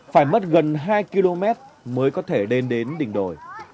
phải mất gần hai km mới có thể lên đến đỉnh đồi